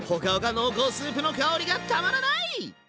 濃厚スープの香りがたまらない！